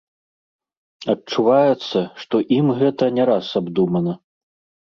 Адчуваецца, што ім гэта не раз абдумана.